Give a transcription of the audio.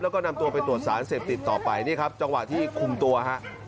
แล้วก็นำตัวไปตรวจสารเสพติดต่อไปนี่ครับจังหวะที่คุมตัวฮะ